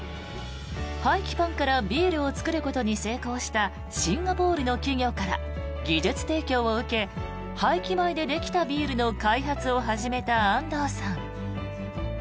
廃棄パンからビールを造ることに成功したシンガポールの企業から技術提供を受け廃棄米でできたビールの開発を始めた安藤さん。